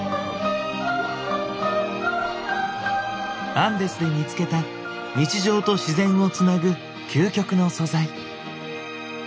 アンデスで見つけた日常と自然をつなぐ究極の素材。